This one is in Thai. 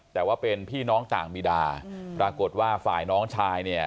แต่ว่าเป็นพี่น้องต่างมีดาปรากฏว่าฝ่ายน้องชายเนี่ย